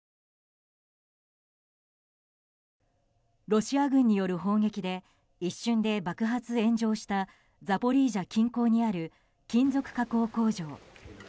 ロシア軍による砲撃で一瞬で爆発・炎上したザポリージャ近郊にある金属加工工場。